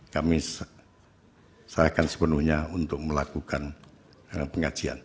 kami serahkan sepenuhnya untuk melakukan pengajian